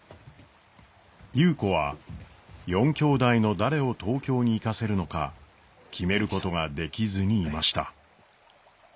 優子は４きょうだいの誰を東京に行かせるのか決めることができずにいました。